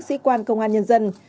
các sĩ quan công an nhân dân